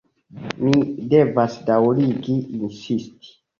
Ni devas daŭrigi insisti.